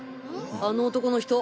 あの男の人！